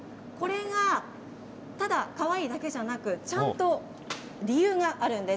これがただかわいいだけじゃなく、ちゃんと理由があるんです。